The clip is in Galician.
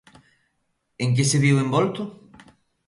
En que se viu envolto?